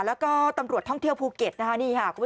แล้วก็ตำรวจท่องเที่ยวภูเก็ตนะคะนี่ค่ะ